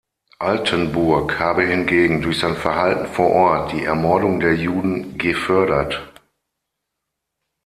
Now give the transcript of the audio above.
Altenburg habe hingegen durch sein Verhalten vor Ort die Ermordung der Juden gefördert.